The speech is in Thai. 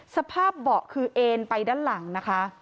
สภาพเบาะคือเอ็นไปด้านหลังนะคะ